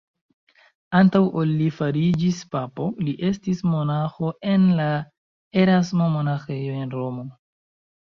Antaŭ ol li fariĝis papo, li estis monaĥo en la Erasmo-monaĥejo en Romo.